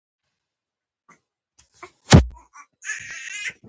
د پیرودونکو خدمتونه د بانکي بازار په وده کې مرسته کوي.